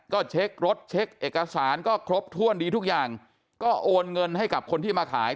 ก็เช็ครถเช็คเอกสารก็ครบถ้วนดีทุกอย่างก็โอนเงินให้กับคนที่มาขาย